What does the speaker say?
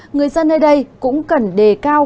người dân nơi đây cũng cần đề cao